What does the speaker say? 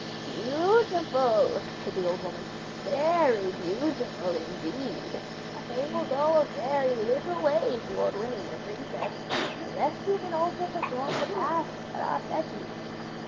'Beautiful,' said the old woman; 'very beautiful indeed; but they will go a very little way towards winning the princess, unless you can also perform the tasks that are set you.